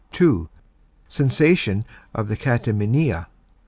(2) _Cessation of the catamenia.